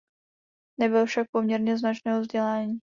Nabyl však poměrně značného vzdělání.